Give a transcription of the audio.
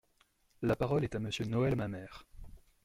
La parole est à Monsieur Noël Mamère.